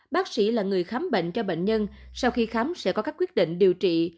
bác sĩ là người khám bệnh cho bệnh nhân sau khi khám sẽ có các quyết định điều trị